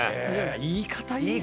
言い方いいっすね。